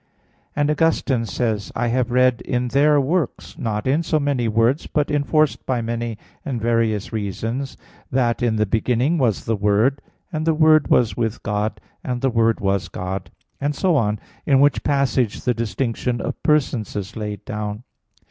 And Augustine says (Confess. vii, 9): "I have read in their works, not in so many words, but enforced by many and various reasons, that in the beginning was the Word, and the Word was with God, and the Word was God," and so on; in which passage the distinction of persons is laid down.